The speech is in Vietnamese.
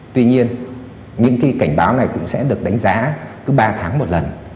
tuy nhiên những cái cảnh báo này cũng sẽ được đánh giá cứ ba tháng một lần